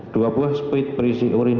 dua buah speed berisi urin